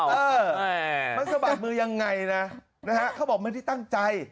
เออมันสะบัดมือยังไงนะนะฮะเขาบอกไม่ได้ตั้งใจ